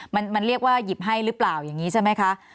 มันเรียกว่าหยิบให้หรือเปล่าอย่างนี้ใช่ไหมคะ